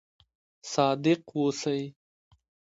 صادق اوسئ